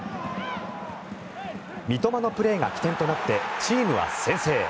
三笘のプレーが起点となってチームは先制。